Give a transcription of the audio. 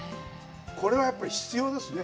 これはやっぱり必要ですね。